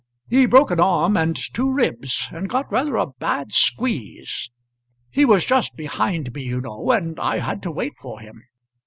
He broke an arm and two ribs, and got rather a bad squeeze. He was just behind me, you know, and I had to wait for him.